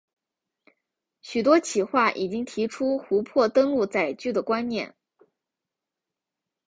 许多企划已经提出湖泊登陆载具的观念。